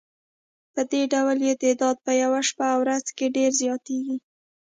پدې ډول یې تعداد په یوه شپه او ورځ کې ډېر زیاتیږي.